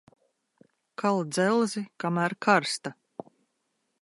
Kal dzelzi, kamēr karsta.